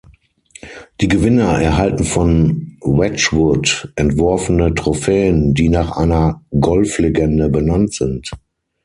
Die Gewinner erhalten von Wedgwood entworfene Trophäen, die nach einer Golflegende benannt sind.